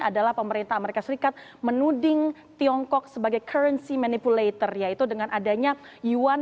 adalah pemerintah amerika serikat menuding tiongkok sebagai currency manipulator yaitu dengan adanya yuan